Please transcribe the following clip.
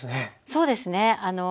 そうですね。